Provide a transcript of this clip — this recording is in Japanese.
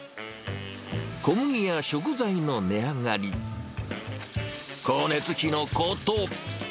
小麦や食材の値上がり、光熱費の高騰。